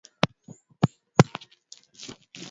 Kutokana na ugunduzi huo baadhi ya wanasayansi duniani